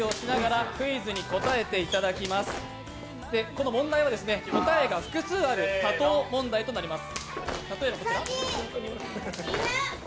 この問題は答えが複数ある多答問題でございます。